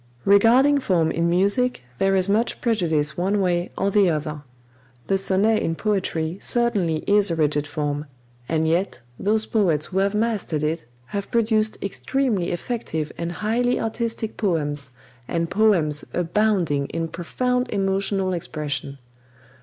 Regarding form in music there is much prejudice one way or the other. The sonnet in poetry certainly is a rigid form; and yet those poets who have mastered it have produced extremely effective and highly artistic poems, and poems abounding in profound emotional expression.